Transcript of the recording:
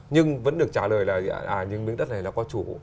nhưng vẫn được trả lời là những miếng đất này đã có chủ